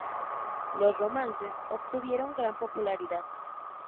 Los "Romances" obtuvieron gran popularidad.